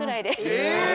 え！